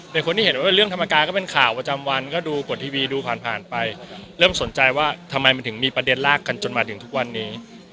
คนที่เห็นว่าเรื่องธรรมกายก็เป็นข่าวประจำวันก็ดูกฎทีวีดูผ่านผ่านไปเริ่มสนใจว่าทำไมมันถึงมีประเด็นลากกันจนมาถึงทุกวันนี้